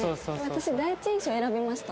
私第一印象選びました。